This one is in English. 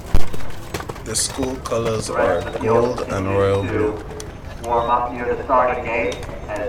The school colors are gold and royal blue.